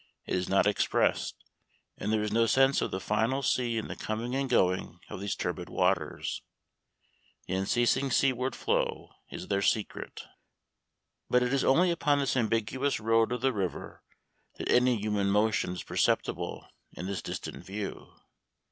It is not expressed, and there is no sense of the final sea in the coming and going of these turbid waters. The unceasing seaward flow is their secret. But it is only upon this ambiguous road of the river that any human motion is perceptible in this distant view.